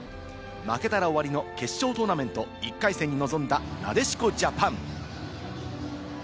負けたら終わりの決勝トーナメント１回戦に臨んだ、なでしこジャパン。